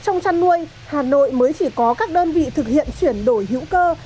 trong chăn nuôi hà nội mới chỉ có các đơn vị thực hiện chuyển đổi hữu cơ